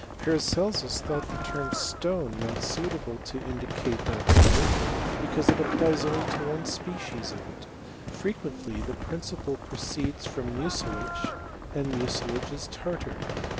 Paracelsus thought the term stone not suiv able to indicate that matter, because it applies oaly (i_ one species of it. Frequently the principle proceeib from mucilage, and mucilage is tartar.